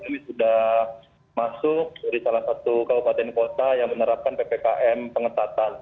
kami sudah masuk dari salah satu kabupaten kota yang menerapkan ppkm pengetatan